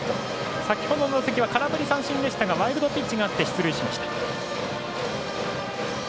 先ほどの打席は空振り三振でしたがワイルドピッチがあって出塁しました。